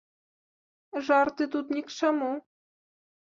Жарты тут ні к чаму!